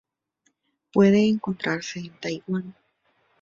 Puede encontrarse en Taiwan.